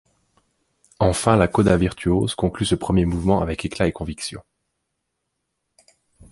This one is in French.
Enfin la coda virtuose conclut ce premier mouvement avec éclat et conviction.